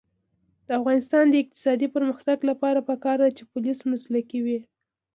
د افغانستان د اقتصادي پرمختګ لپاره پکار ده چې پولیس مسلکي وي.